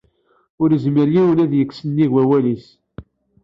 Ur yezmir yiwwen ad d-yekk sennig wawal-is.